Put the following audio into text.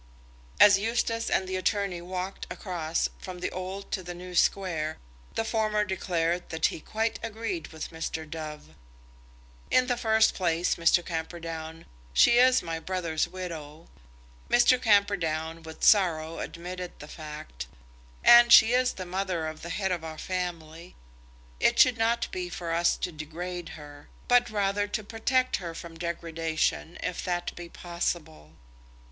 As Eustace and the attorney walked across from the Old to the New Square, the former declared that he quite agreed with Mr. Dove. "In the first place, Mr. Camperdown, she is my brother's widow." Mr. Camperdown with sorrow admitted the fact. "And she is the mother of the head of our family. It should not be for us to degrade her; but rather to protect her from degradation, if that be possible."